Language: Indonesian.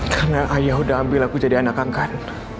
karena ayah udah ambil aku jadi anak angkat